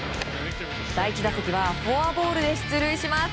第１打席はフォアボールで出塁します。